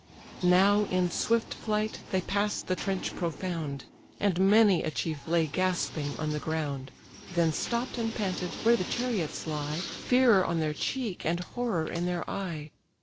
Now in swift flight they pass the trench profound, And many a chief lay gasping on the ground: Then stopp'd and panted, where the chariots lie Fear on their cheek, and horror in their eye.